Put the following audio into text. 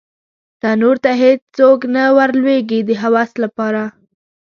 تنور ته هېڅوک نه ور لویږې د هوس لپاره